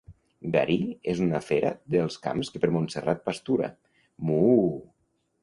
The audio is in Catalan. Garí és una fera dels camps que per Montserrat pastura. Muuu!